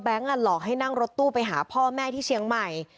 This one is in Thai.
หลอกให้นั่งรถตู้ไปหาพ่อแม่ที่เชียงใหม่